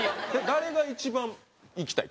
誰が一番行きたい？